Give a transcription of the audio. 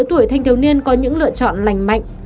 thanh thiếu niên có những lựa chọn lành mạnh